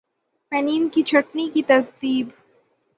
پن ین کی چھٹنی کی ترتیب